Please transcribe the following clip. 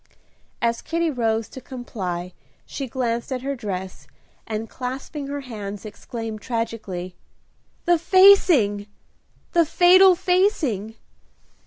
As Kitty rose to comply she glanced at her dress, and, clasping her hands, exclaimed, tragically, "The facing, the fatal facing!